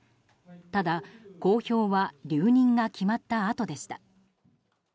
ただ、公表は留任が決まったあとでした。